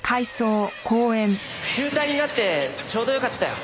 中退になってちょうどよかったよ。